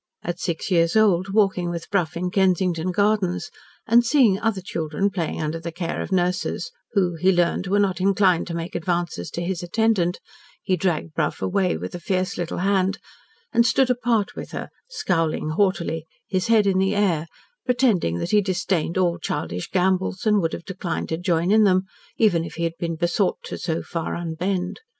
At six years old, walking with Brough in Kensington Gardens, and seeing other children playing under the care of nurses, who, he learned, were not inclined to make advances to his attendant, he dragged Brough away with a fierce little hand and stood apart with her, scowling haughtily, his head in the air, pretending that he disdained all childish gambols, and would have declined to join in them, even if he had been besought to so far unbend.